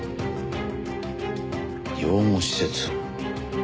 「養護施設」。